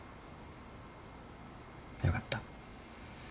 よかった。